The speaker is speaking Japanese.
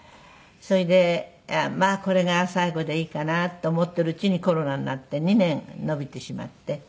それでまあこれが最後でいいかなと思っているうちにコロナになって２年延びてしまって。